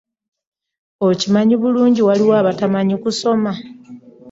Okimanyi bulungi waliwo abatamanyi kusoma.